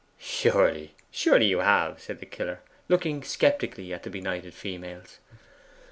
'Surely, surely you have,' said the killer, looking sceptically at the benighted females.